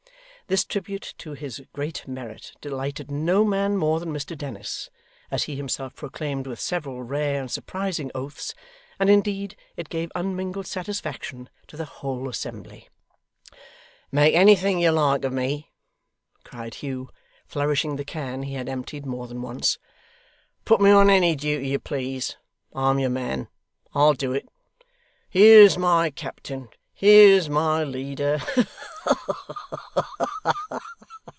This tribute to his great merit delighted no man more than Mr Dennis, as he himself proclaimed with several rare and surprising oaths; and indeed it gave unmingled satisfaction to the whole assembly. 'Make anything you like of me!' cried Hugh, flourishing the can he had emptied more than once. 'Put me on any duty you please. I'm your man. I'll do it. Here's my captain here's my leader. Ha ha ha!